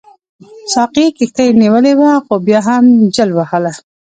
ساقي کښتۍ نیولې وه خو بیا هم جل وهله.